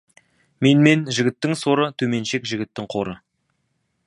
Менмен — жігіттің соры, төменшек — жігіттің қоры.